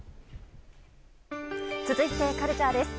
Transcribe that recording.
続いて、カルチャーです。